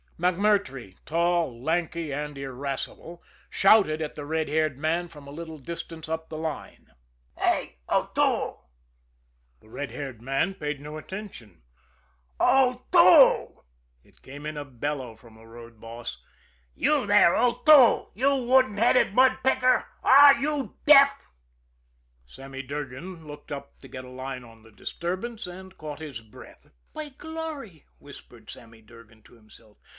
MacMurtrey, tall, lanky and irascible, shouted at the red haired man from a little distance up the line. "Hey, O'Toole!" The red haired man paid no attention. "O'Toole!" It came in a bellow from the road boss. "You, there, O'Toole, you wooden headed mud picker, are you deaf!" Sammy Durgan looked up to get a line on the disturbance and caught his breath. "By glory!" whispered Sammy Durgan to himself.